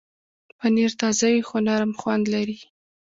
پنېر تازه وي نو نرم خوند لري.